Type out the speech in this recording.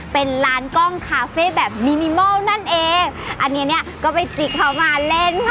เป็นร้านกล้องคาเฟ่แบบมินิมอลนั่นเองอันเนี้ยเนี้ยก็ไปจิกเขามาเล่น